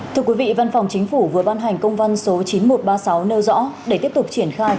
thưa quý vị văn phòng chính phủ vừa ban hành công văn số chín nghìn một trăm ba mươi sáu nêu rõ để tiếp tục triển khai